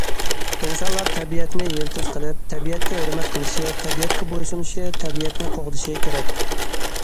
ئىنسانلار تەبىئەتنى يىلتىز قىلىپ، تەبىئەتكە ھۆرمەت قىلىشى، تەبىئەتكە بويسۇنۇشى، تەبىئەتنى قوغدىشى كېرەك.